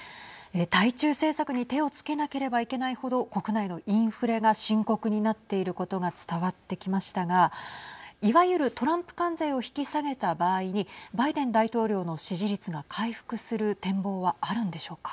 対中政策に手をつけなければいけないほど国内のインフレが深刻になっていることが伝わってきましたがいわゆるトランプ関税を引き下げた場合にバイデン大統領の支持率が回復する展望はあるんでしょうか。